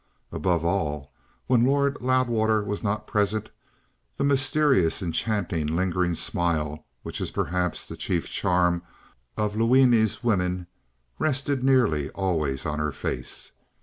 Above all, when Lord Loudwater was not present, the mysterious, enchanting, lingering smile, which is perhaps the chief charm of Luini's women, rested nearly always on her face.